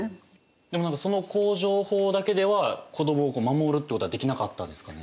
でも何かその工場法だけでは子どもを守るっていうことはできなかったんですかね？